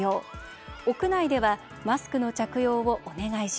屋内では、マスクの着用をお願いします。